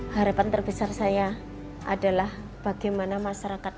harapan terbesar saya adalah bagaimana masyarakat itu terinspirasi dengan